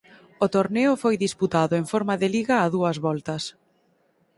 O torneo foi disputado en forma de liga a dúas voltas.